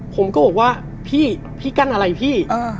ผมก็บอกว่าพี่พี่กั้นอะไรพี่